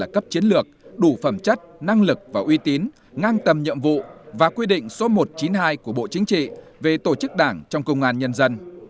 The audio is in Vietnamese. các đồng chí đã phối hợp với các bộ bộ chính trị về tổ chức đảng trong công an nhân dân